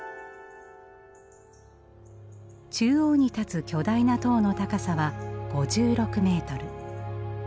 中央に立つ巨大な塔の高さは５６メートル。